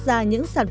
em nhớ nhớ